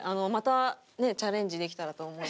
チャレンジできたらと思います。